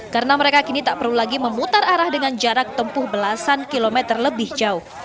karena mereka kini tak perlu lagi memutar arah dengan jarak tempuh belasan kilometer lebih jauh